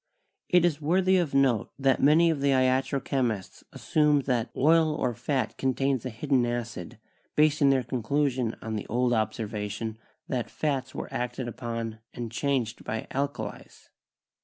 It is worthy of note that many of the iatro chemists assumed that "oil or fat contains a hidden acid," basing their conclusion on the old observation that fats were acted upon and changed by alkalies.